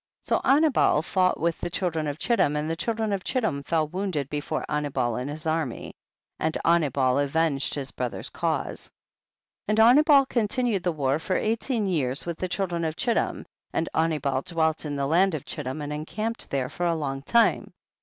20. So Anibal fought with the children of Chittim, and the children of Chittim fell wounded before Ani bal and his army, and Anibal avenged his brother's cause. 226 THE BOOK OF JASHEK. 21. And Anibal continued the war for eighteen years with the children of Chittim, and Anibal dwelt in the land of Chittim and encamped there for a long time.